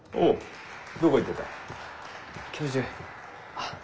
あっ。